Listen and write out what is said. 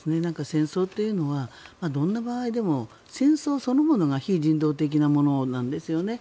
戦争というのはどんな場合でも戦争そのものが非人道的なものなんですよね。